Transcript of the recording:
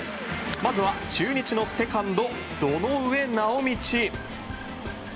まずは中日のセカンド堂上直倫。